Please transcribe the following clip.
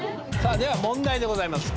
では問題でございます。